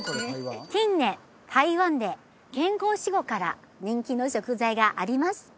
近年台湾で健康志向から人気の食材があります